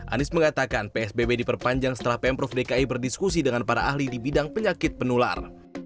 anies mengatakan psbb diperpanjang setelah pemprov dki berdiskusi dengan para ahli di bidang penyakit penular